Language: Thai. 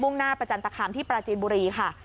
่งหน้าประจันตคามที่ปราจีนบุรีค่ะ